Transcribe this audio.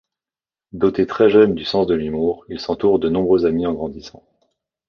Doté très jeune du sens de l'humour, il s'entoure de nombreux amis en grandissant.